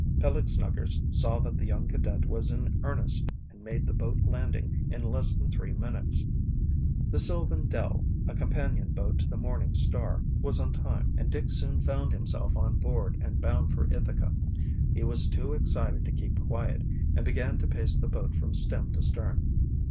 Peleg Snuggers saw that the young cadet was in earnest, and made the boat landing in less than three minutes. The Sylvan Dell, a companion boat to the Morning Star, was on time, and Dick soon found himself on board and bound for Ithaca. He was too excited to keep quiet, and began to pace the boat from stem to stern.